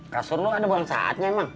kasur lu gak ada bulan saatnya emang